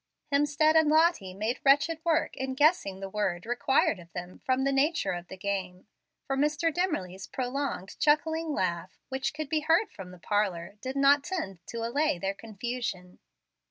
Hemstead and Lottie made wretched work in guessing the word required of them from the nature of the game; for Mr. Dimmerly's prolonged chuckling laugh, which could be heard from the parlor, did not tend to allay their confusion.